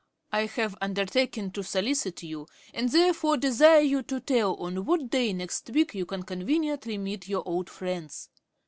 I have undertaken to solicit you, and therefore desire you to tell on what day next week you can conveniently meet your old friends.